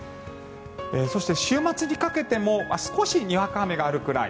そして、週末にかけても少しにわか雨があるぐらい。